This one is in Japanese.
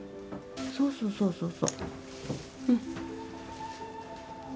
そうそうそうそう。